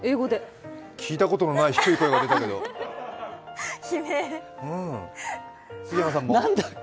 聞いたことのない低い声が出たけど、杉山さんも？